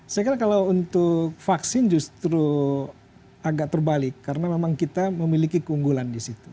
saya kira kalau untuk vaksin justru agak terbalik karena memang kita memiliki keunggulan di situ